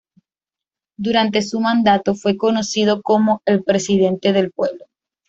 Durante su mandato fue conocido como el "presidente del pueblo".